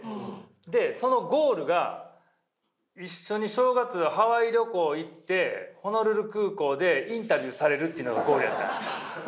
でそのゴールが一緒に正月ハワイ旅行行ってホノルル空港でインタビューされるというのがゴールやった。